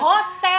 jujur hotman ya